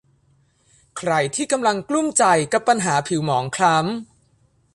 ใครที่กำลังกลุ้มใจกับปัญหาผิวหมองคล้ำ